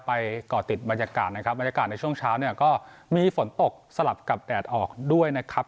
ก่อติดบรรยากาศนะครับบรรยากาศในช่วงเช้าเนี่ยก็มีฝนตกสลับกับแดดออกด้วยนะครับ